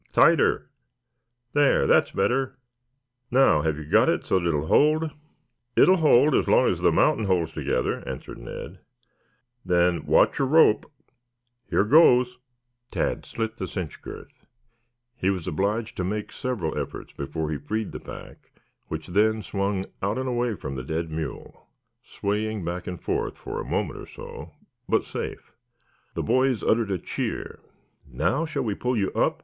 Tighter! There, that's better. Now, have you got it so that it will hold?" "It'll hold as long as the mountain holds together," answered Ned. [Illustration: Tad Freed the Pack.] "Then watch your rope. Here goes." Tad slit the cinch girth. He was obliged to make several efforts before he freed the pack, which then swung out and away from the dead mule, swaying back and forth for a moment or so, but safe. The boys uttered a cheer. "Now shall we pull you up?"